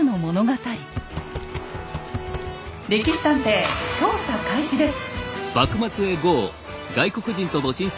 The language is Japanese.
「歴史探偵」調査開始です。